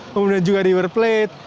kemudian juga river plate